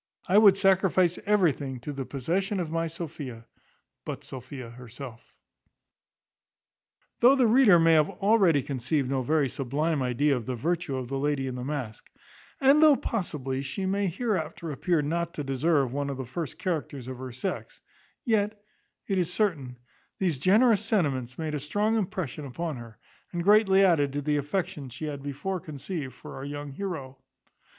I would sacrifice everything to the possession of my Sophia, but Sophia herself." Though the reader may have already conceived no very sublime idea of the virtue of the lady in the mask; and though possibly she may hereafter appear not to deserve one of the first characters of her sex; yet, it is certain, these generous sentiments made a strong impression upon her, and greatly added to the affection she had before conceived for our young heroe.